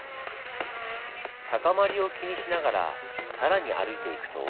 高まりを気にしながら更に歩いていくと。